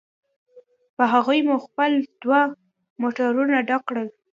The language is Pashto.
په هغوی مو خپل دوه موټرونه ډک کړل.